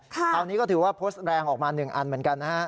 แต่วันนี้ก็ถือว่าโพสดแรงออกมานึงอันเหมือนกันนะครับ